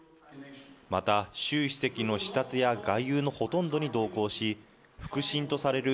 また、習主席の視察や外遊のほとんどに同行し、腹心とされる